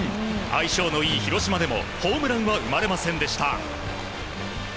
相性のいい広島でもホームランは生まれませんでした。